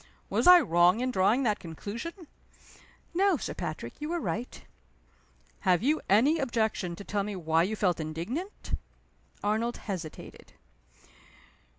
Was I wrong in drawing that conclusion?" "No, Sir Patrick. You were right." "Have you any objection to tell me why you felt indignant?" Arnold hesitated.